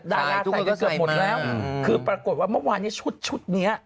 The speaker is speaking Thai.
ดาราไทยกันเกือบหมดแล้วคือปรากฏว่าเมื่อวานนี้ชุดชุดเนี้ย